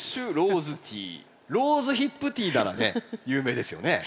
ローズヒップティーならね有名ですよね。